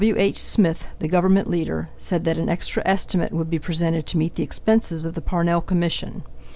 W.H. Smith, the Government leader, said that an extra estimate would be presented to meet the expenses of the Parnell Commission.